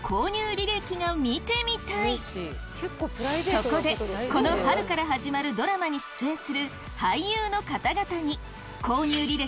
そこでこの春から始まるドラマに出演する俳優の方々に。